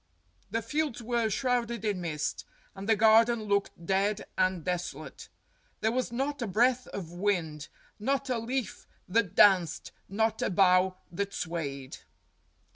The fields were shrouded in mist, and the garden looked dead and des olate. There was not a breath of wind, not a leaf that danced, not a bough that swayed.